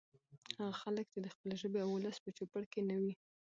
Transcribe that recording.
هغه خلک چې د خپلې ژبې او ولس په چوپړ کې نه وي